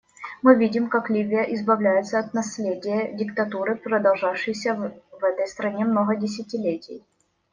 Мы видим, как Ливия избавляется от наследия диктатуры, продолжавшейся в этой стране много десятилетий.